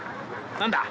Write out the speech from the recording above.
何だ？